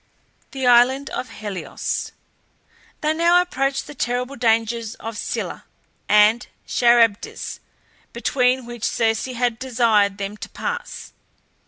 THE ISLAND OF HELIOS. They now approached the terrible dangers of Scylla and Charybdis, between which Circe had desired them to pass.